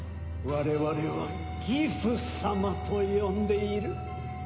我々は「ギフ様」と呼んでいる。